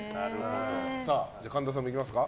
神田さんもいきますか。